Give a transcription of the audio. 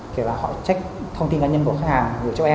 kể cả họ trách thông tin cá nhân của khách hàng